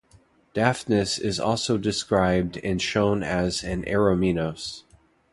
Daphnis is also described and shown as an eromenos.